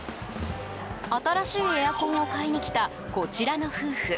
新しいエアコンを買いに来たこちらの夫婦。